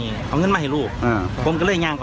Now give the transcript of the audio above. ฉกเด็กมีง่ายรักและไม่เห็นแบบนี้